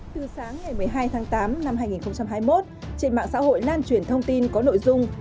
từ sáng ngày một mươi hai tháng tám năm hai nghìn hai mươi một trên mạng xã hội lan truyền thông tin có nội dung